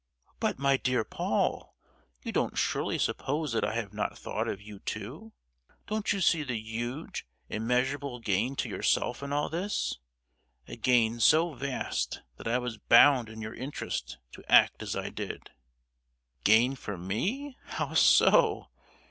"But, my dear Paul, you don't surely suppose that I have not thought of you too! Don't you see the huge, immeasurable gain to yourself in all this? A gain so vast that I was bound in your interest to act as I did!" "Gain for me! How so?"